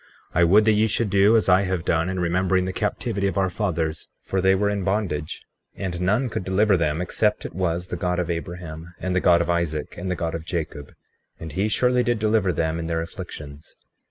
36:2 I would that ye should do as I have done, in remembering the captivity of our fathers; for they were in bondage, and none could deliver them except it was the God of Abraham, and the God of Isaac, and the God of Jacob; and he surely did deliver them in their afflictions.